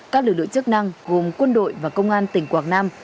các lực lượng chức năng gồm quân đội và công an tỉnh quảng nam